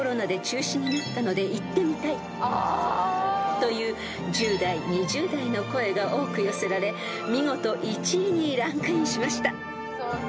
［という１０代２０代の声が多く寄せられ見事１位にランクインしました］